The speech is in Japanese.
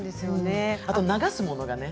あと流すものがね。